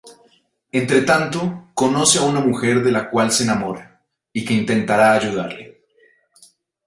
Entretanto, conoce a una mujer de la que se enamora y que intentará ayudarle.